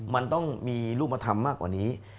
มันต้องมีรูปธรรมมากกว่านี้